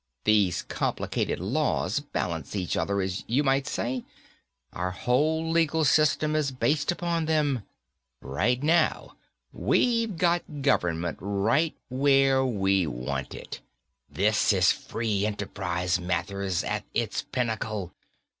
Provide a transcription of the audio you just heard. These complicated laws balance each other, you might say. Our whole legal system is based upon them. Right now, we've got government right where we want it. This is free enterprise, Mathers, at its pinnacle.